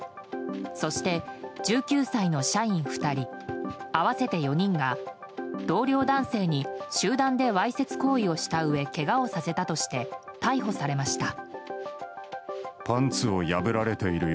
そして１９歳の社員２人合わせて４人が同僚男性に集団でわいせつ行為をしたうえけがをさせたとして逮捕されました。